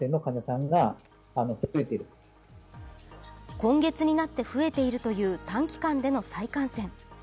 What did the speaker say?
今月になって増えているという短期間での再感染。